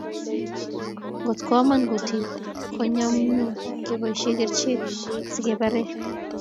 Ngotkwam kutik ko nyamnyum keboisie kerichek asikebaree